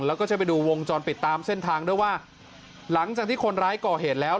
แล้วก็จะไปดูวงจรปิดตามเส้นทางด้วยว่าหลังจากที่คนร้ายก่อเหตุแล้ว